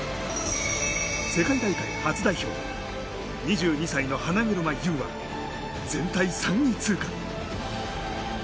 世界大会初代表２２歳の花車優は全体３位通過。